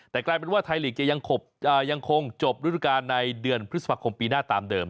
แต่กลายเป็นว่าไทยลีกจะยังคงจบฤดูการในเดือนพฤษภาคมปีหน้าตามเดิม